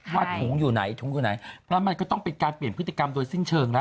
ว่าถุงอยู่ไหนถุงอยู่ไหนเพราะมันก็ต้องเป็นการเปลี่ยนพฤติกรรมโดยสิ้นเชิงแล้ว